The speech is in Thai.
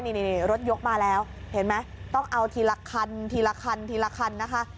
นี่รถยกมาแล้วเห็นไหมต้องเอาทีละคันทีละคันทีละคันนะคะ